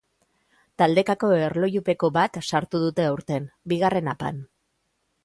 Taldekako erlojupeko bat sartu dute aurten, bigarren apan.